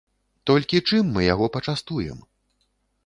Толькі чым мы яго пачастуем?